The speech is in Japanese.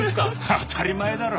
当たり前だろ。